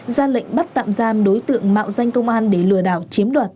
ra lệnh bắt tạm giam đối tượng mạo danh công an để lừa đảo chiếm đoạt tài sản